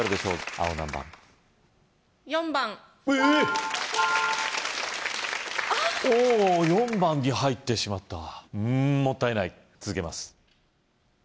あっおぉ４番に入ってしまったうんもったいない続けます